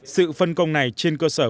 sự phân công này trên cơ sở